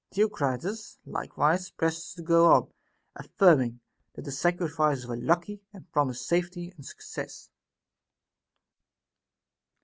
Theocritus likewise pressed us to go on, affirming that the sacrifices were lucky, and promised safety and success.